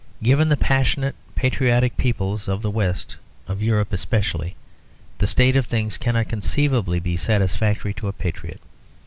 Given the passionately patriotic peoples of the west of Europe especially, the state of things cannot conceivably be satisfactory to a patriot.